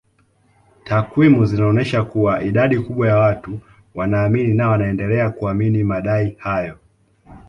Takwimu zinaonyesha kuwa idadi kubwa ya watu wanaamini na wanaendelea kuamini madai hayo